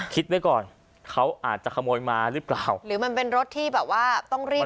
คิดไว้ก่อนเขาอาจจะขโมยมาหรือเปล่าหรือมันเป็นรถที่แบบว่าต้องรีบ